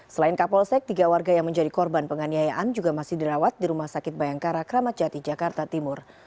selain kapolsek tiga warga yang menjadi korban penganiayaan juga masih dirawat di rumah sakit bayangkara kramat jati jakarta timur